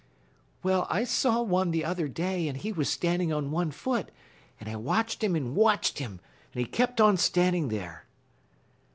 "Well, I saw one the other day, and he was standing on one foot, and I watched him and watched him, and he kept on standing there."